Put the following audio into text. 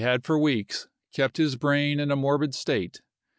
had for weeks kept his brain in a morbid state.